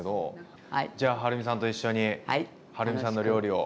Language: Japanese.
じゃあはるみさんと一緒にはるみさんの料理を。